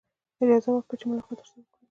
اجازه ورکړي چې ملاقات ورسره وکړي.